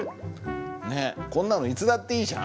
こんなのいつだっていいじゃん。